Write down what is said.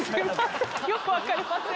よく分かりません。